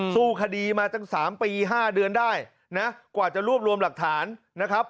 สู้คดีมาตั้ง๓ปี๕เดือนได้นะกว่าจะรวบรวมหลักฐานนะครับ